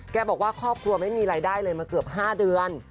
บอกว่าครอบครัวไม่มีรายได้เลยมาเกือบ๕เดือน